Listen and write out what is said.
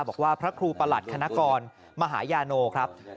พระครูประหลัดคณะกรมหายาโนครับ